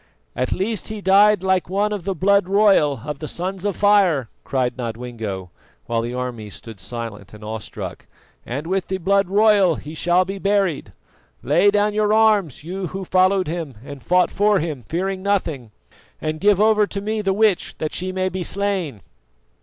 "At least he died like one of the blood royal of the Sons of Fire!" cried Nodwengo, while the armies stood silent and awestruck, "and with the blood royal he shall be buried. Lay down your arms, you who followed him and fought for him, fearing nothing, and give over to me the witch that she may be slain."